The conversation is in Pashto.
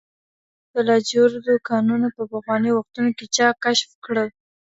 د لاجوردو کانونه په پخوانیو وختونو کي چا کشف کړل؟